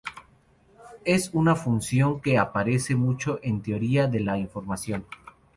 Es una función que aparece mucho en teoría de la información.